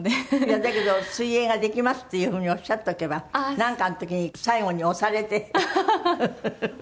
だけど水泳ができますっていうふうにおっしゃっとけばなんかの時に最後に押されてプールに落ちるとか。